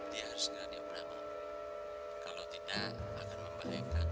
dia harus gerak di obramah kalau tidak akan membahayakan bagi jiwanya